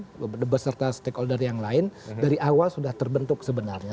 jadi ini kolaborasi yang dilakukan oleh kami beserta stakeholder yang lain dari awal sudah terbentuk sebenarnya